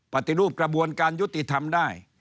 ปฏิรูปกระบวนการยุติธรรมได้